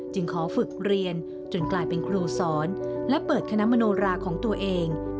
ขอฝึกเรียนจนกลายเป็นครูสอนและเปิดคณะมโนราของตัวเอง